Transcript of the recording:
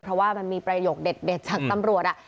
เพราะว่ามันมีประโยคเด็ดจากตำรวจ